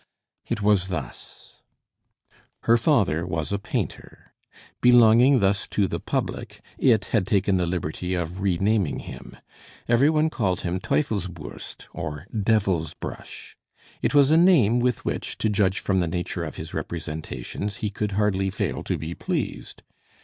It was thus Her father was a painter. Belonging thus to the public, it had taken the liberty of re naming him. Every one called him Teufelsbürst, or Devilsbrush. It was a name with which, to judge from the nature of his representations, he could hardly fail to be pleased.